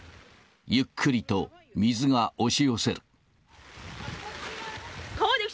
ゆっくりと水が押し寄せる。